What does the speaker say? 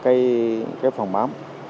cho cái phần mắm